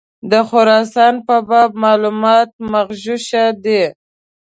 د خراسان په باب معلومات مغشوش دي.